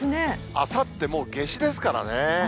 あさって、もう夏至ですからね。